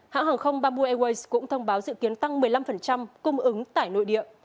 hãng hàng không bamboo airways cũng thông báo dự kiến tăng một mươi năm cung ứng tải nội địa